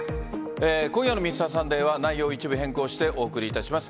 今夜の「Ｍｒ．サンデー」は内容を一部変更してお送りいたします。